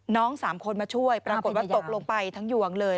สามคนมาช่วยปรากฏว่าตกลงไปทั้งหยวงเลย